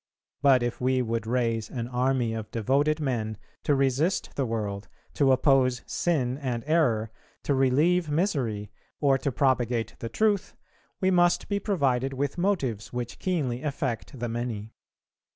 But if we would raise an army of devoted men to resist the world, to oppose sin and error, to relieve misery, or to propagate the truth, we must be provided with motives which keenly affect the many.